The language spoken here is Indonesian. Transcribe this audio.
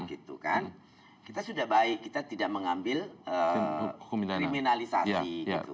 kita sudah baik kita tidak mengambil kriminalisasi